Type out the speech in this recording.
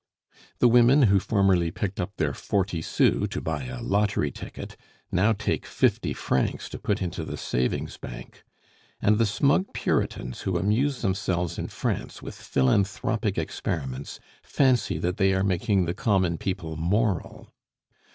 The women who formerly picked up their forty sous to buy a lottery ticket now take fifty francs to put into the savings bank. And the smug Puritans who amuse themselves in France with philanthropic experiments fancy that they are making the common people moral!